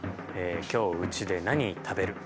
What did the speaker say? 「今日、うちでなに食べる？」